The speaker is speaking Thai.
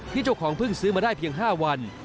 เจ้าของเพิ่งซื้อมาได้เพียง๕วัน